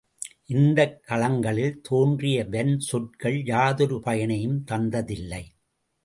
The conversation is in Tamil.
இந்தக் களங்களில் தோன்றிய வன்சொற்கள் யாதொரு பயனையும் தந்ததில்லை.